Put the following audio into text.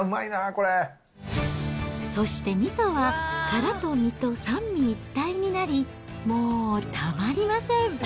これ、そしてみそは、殻と身と三位一体になり、もうたまりません。